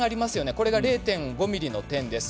これが０．５ｍｍの点です。